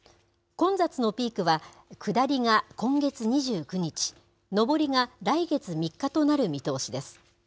混雑のピークは、下りが今月２９日、上りが来月３日となる見通しです。